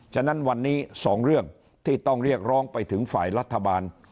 ฉะนั้นวันนี้สองเรื่องที่ต้องเรียกร้องไปถึงฝ่ายรัฐบาล